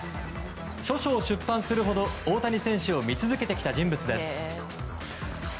著書を出版するほど大谷選手を見続けてきた選手です。